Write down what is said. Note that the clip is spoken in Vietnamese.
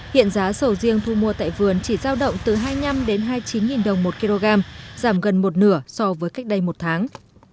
hiện giá sầu riêng thu mua tại vườn chỉ giao động từ hai năm trăm linh đến hai chín trăm linh đồng một kg giảm gần một nửa so với cách đây một tháng